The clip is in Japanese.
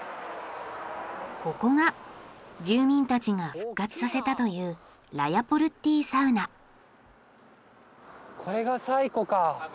ここが住民たちが復活させたというこれが最古か。